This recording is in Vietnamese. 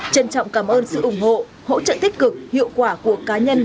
trân trọng cảm ơn sự ủng hộ hỗ trợ tích cực hiệu quả của cá nhân